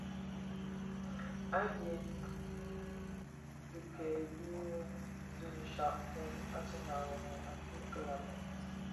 Adyèm i dhikèn dü di nshaaktèn; Asèn a Rimoh a ted kilami.